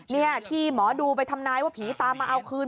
นี่ที่หมอดูไปทำนายว่าผีตามมาเอาคืน